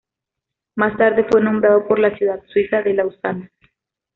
Más tarde fue nombrado por la ciudad suiza de Lausana.